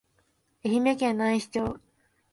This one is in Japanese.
愛媛県内子町